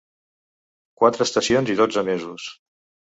Quatre estacions i dotze mesos.